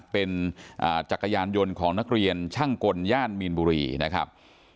เป็นจักรยานยนต์ของนักเรียนช่างกลย่านมีนบุรีนะครับ